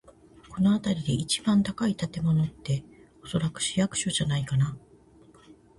この辺りで一番高い建物って、おそらく市役所じゃないかな。